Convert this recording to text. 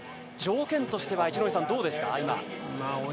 条件としてはどうですか。